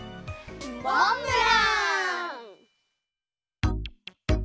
モンブラン！